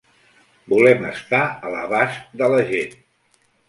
Volem estar a l’abast de la gent.